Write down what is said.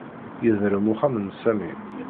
Yedrem uxxam n Sami